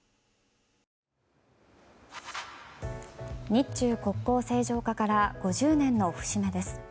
日中国交正常化から５０年の節目です。